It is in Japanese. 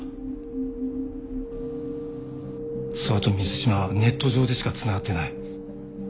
諏訪と水島はネット上でしかつながってない。